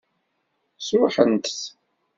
Sṛuḥent-t.